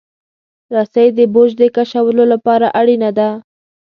رسۍ د بوج د کشولو لپاره اړینه ده.